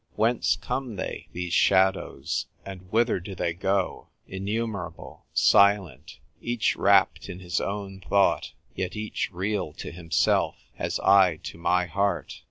Whence come they, these shadows, and whither do they go ?—; in numerable, silent, each wrapped in his own thought, yet each real to himself as I to my heart.